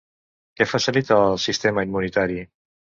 Què facilita el sistema immunitari?